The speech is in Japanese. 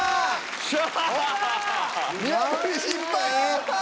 よっしゃ！